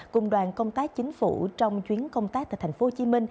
cùng đoàn công tác chính phủ trong chuyến công tác tại tp hcm